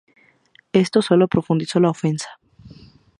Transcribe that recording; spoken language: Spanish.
Esto solo profundizó la ofensa.